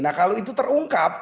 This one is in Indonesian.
nah kalau itu terungkap